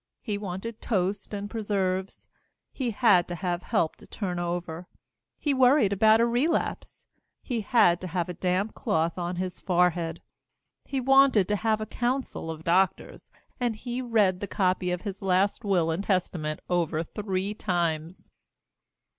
He wanted toast and preserves; he had to have help to turn over; he worried about a relapse; he had to have a damp cloth on his forehead; he wanted to have a council of doctors, and he read the copy of his last will and testament over three times.